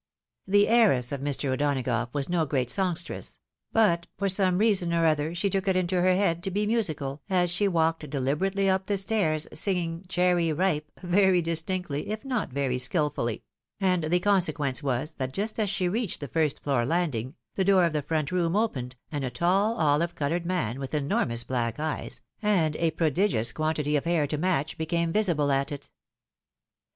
The heiress of Mr. O'Donagough was no great songstress ; but, for some reason or other, she took it into her head to be musical, as she walked deliberately up the stairs, singing " Cherry ripe," very distinctly, if not very skilfully ; and the consequence was, that just as she reached the first floor landing, the door of the front room opened, and a tall olive oolom'ed man, with enormous black eyes, and a prodigious quantity of hair to match, became visible at it.